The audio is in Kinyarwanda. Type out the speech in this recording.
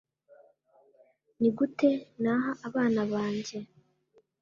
Ni gute naha abana banjye